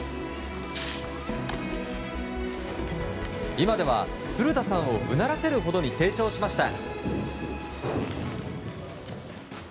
今では、古田さんをうならせるほどに成長しました。